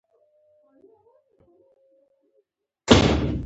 احمد په دوو ورځو کې خپله دونيا یوه هګۍکړ او پر دېوال يې وويشت.